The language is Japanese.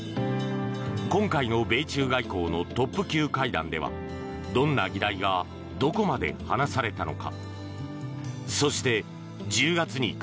今回の米中外交のトップ級会談ではどんな議題がどこまで話されたのか。